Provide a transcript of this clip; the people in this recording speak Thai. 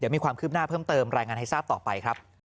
มีความคืบหน้าเพิ่มเติมรายงานให้ทราบต่อไปครับ